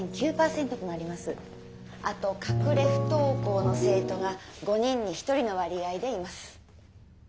あと隠れ不登校の生徒が５人に１人の割合でいます。